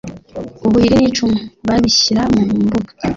ubuhiri n’icumu babishyira mu mbuga